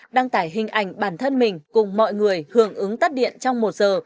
đăng tải hình ảnh bản thân mình cùng mọi người hưởng ứng tắt điện trong một giờ